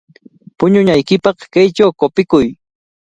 Puñunaykipaq kaychaw qupikuy.